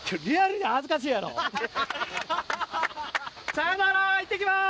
さよならいってきます！